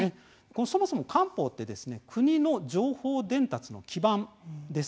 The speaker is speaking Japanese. そもそも官報は国の情報伝達の基盤です。